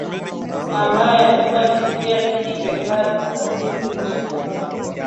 ambayo yamekuwa yakiendelea mjini Baghdad katika kipindi cha mwaka mmoja